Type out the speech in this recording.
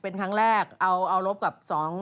เป็นครั้งแรกเอารบกับ๒